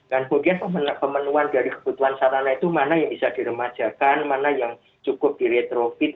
kemudian pemenuhan dari kebutuhan sarana itu mana yang bisa diremajakan mana yang cukup di retrofit